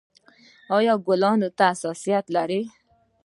ایا ګلانو ته حساسیت لرئ؟